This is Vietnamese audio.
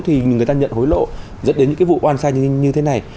thì người ta nhận hối lộ dẫn đến những cái vụ oan sai như thế này